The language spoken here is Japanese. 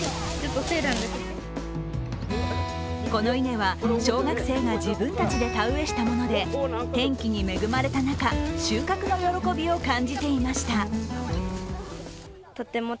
この稲は小学生が自分たちで田植えしたもので天気に恵まれた中、収穫の喜びを感じていました。